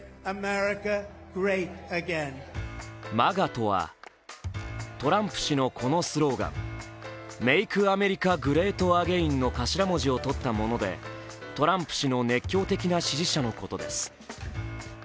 ＭＡＧＡとはトランプ氏のこのスローがん、メーク・アメリカ・グレート・アゲインの頭文字をとったもので、トランプ氏の熱狂的な支持者のことです。